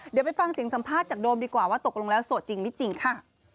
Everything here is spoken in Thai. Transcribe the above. เดี๋ยวไปฟังเสียงสัมภาษณ์จากโดมดีกว่าว่าตกลงแล้วโสดจริงไม่จริงค่ะ